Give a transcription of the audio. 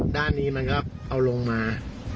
ด้านนี้มันก็เอาลงมา